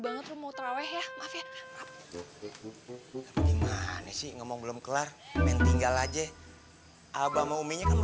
mau terawih ya maaf ya apa gimana sih ngomong belum kelar main tinggal aja abang uminya kan